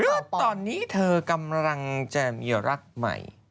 ตอนนี้เธอกำลังจะมีรักใหม่